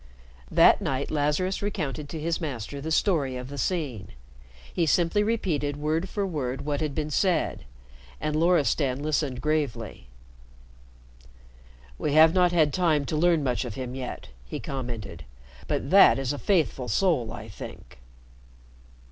That night Lazarus recounted to his master the story of the scene. He simply repeated word for word what had been said, and Loristan listened gravely. "We have not had time to learn much of him yet," he commented. "But that is a faithful soul, I think."